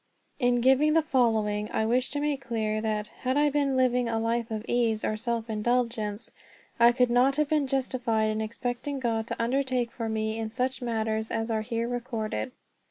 '" In giving the following I wish to make clear that, had I been living a life of ease or self indulgence, I could not have been justified in expecting God to undertake for me in such matters as are here recorded.